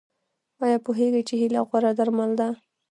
ایا پوهیږئ چې هیله غوره درمل ده؟